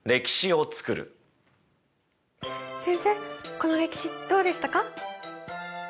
この歴史どうでしたか？